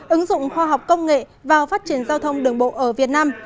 ứng dụng khoa học công nghệ vào phát triển giao thông đường bộ ở việt nam